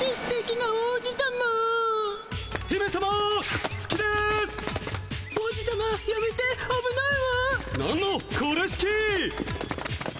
なんのこれしき。